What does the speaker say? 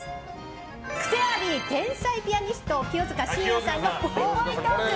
クセあり天才ピアニスト清塚信也さんのぽいぽいトーク。